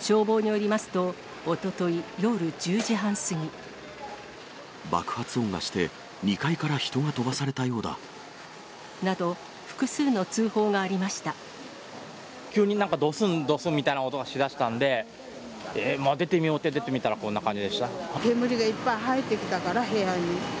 消防によりますと、爆発音がして、など、複数の通報がありまし急になんかどすん、どすんみたいな音がし出したので、出てみようって出てみたら、煙がいっぱい入ってきたから部屋に。